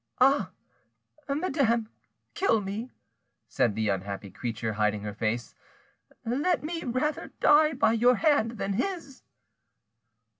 "—"Ah! madame, kill me," said the unhappy creature, hiding her face; "let me rather die by your hand than his!"